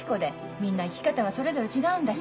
みんな生き方はそれぞれ違うんだし。